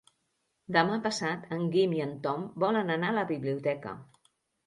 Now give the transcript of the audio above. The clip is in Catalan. Demà passat en Guim i en Tom volen anar a la biblioteca.